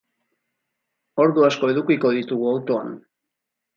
Ordu asko edukiko ditugu autoan.